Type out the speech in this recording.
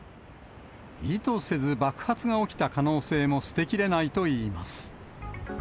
意図せず爆発が起きた可能性も捨てきれないといいます。